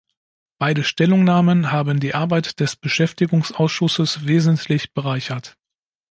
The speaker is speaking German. Beide Stellungnahmen haben die Arbeit des Beschäftigungsausschusses wesentlich bereichert.